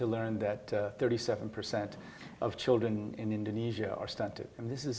lebih baik dari sebelumnya